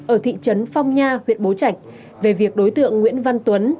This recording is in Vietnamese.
ở thị trấn phong nha huyện bố trạch về việc đối tượng nguyễn văn tuấn